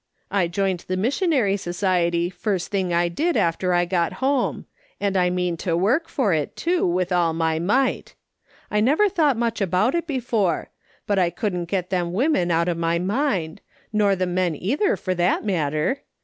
I joined the Missionary Society first thing I did after I got home ; and I mean to work for it, too, with all my might. I never thought much about it before, but I couldn't get them women out of my mind, nor the men either, for that matter.